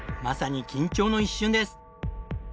まさに緊張の一瞬です。